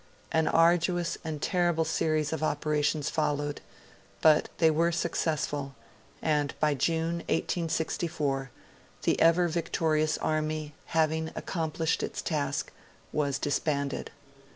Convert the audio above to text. An arduous and terrible series of operations followed; but they were successful, and by June, 1864, the Ever Victorious Army, having accomplished its task, was disbanded.